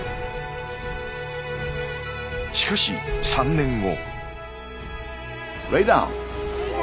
しかし３年後。